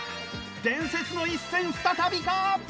伝説の一戦再びか！？